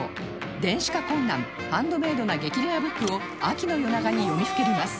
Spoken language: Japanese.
電子化困難ハンドメイドな激レアブックを秋の夜長に読みふけります